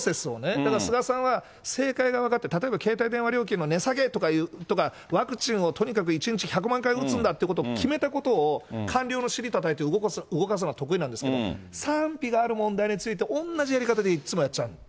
だから菅さんは、正解が分かって、例えば携帯電話料金の値下げとか、ワクチンをとにかく１日１００万回打つんだってことを決めたことを官僚の尻たたいて、動かすのは得意なんですけど、賛否がある問題について、同じやり方でいつもやっちゃうんです。